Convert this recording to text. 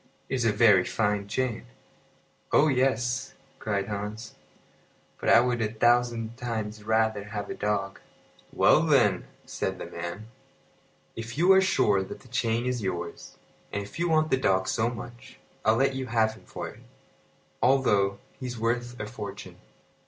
"It is a very fine chain." "Oh yes," cried Hans. "But I would a thousand times rather have a dog." "Well, then," said the man, "if you are sure that the chain is yours, and if you want the dog so much, I'll let you have him for it, although he's worth a fortune."